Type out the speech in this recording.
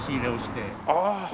ああ。